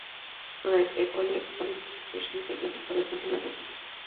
Fue alumno de la École polytechnique y Doctor en Ciencias Matemáticas.